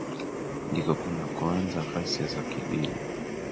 ndiko kunakoanza ghasia za kidini